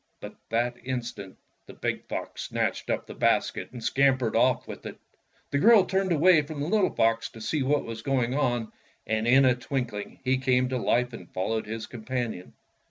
But that instant the big fox snatched up the basket and scam pered off with it. The girl turned away from the little fox to see what was going on, and in a twinkhng he came to hfe and followed his companion.